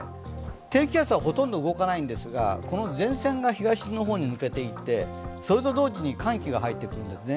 低気圧はほとんど動かないんですがこの前線が東の方へ抜けていって、それと同時に寒気が入ってくるんですね。